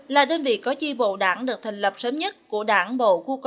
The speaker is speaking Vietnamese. là đơn vị có chi vụ đảng được thành lập sớm nhất của đảng bộ